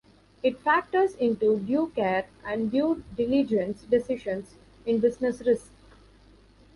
It factors into due care and due diligence decisions in business risk.